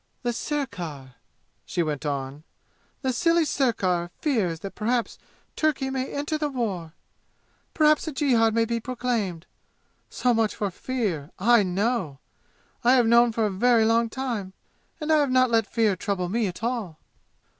"The sirkar," she went on, "the silly sirkar fears that perhaps Turkey may enter the war. Perhaps a jihad may be proclaimed. So much for fear! I know! I have known for a very long time! And I have not let fear trouble me at all!"